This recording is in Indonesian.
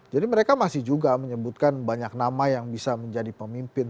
jadi mereka masih juga menyebutkan banyak nama yang bisa menjadi pemimpin